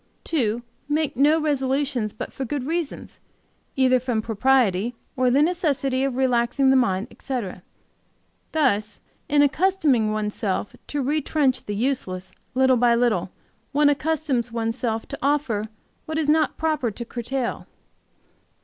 "2. Make no resolutions but for good reasons, either from propriety or the necessity of relaxing the mind, etc. Thus, in accustoming one's self to retrench the useless little by little, one accustoms one's self to offer what is not proper to curtail.